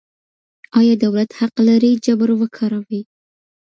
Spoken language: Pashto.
آیا دولت حق لري جبر وکاروي؟